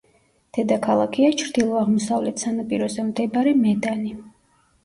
დედაქალაქია ჩრდილო–აღმოსავლეთ სანაპიროზე მდებარე მედანი.